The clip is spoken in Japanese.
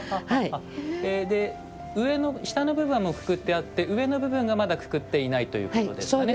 下の部分はもうくくってあって上の部分がまだくくっていないということですかね。